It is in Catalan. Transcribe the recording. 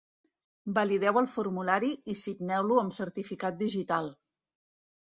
Valideu el formulari i signeu-lo amb certificat digital.